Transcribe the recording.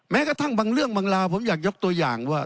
แม้กระทั่งบางเรื่องบางราวผมอยากยกตัวอย่างว่า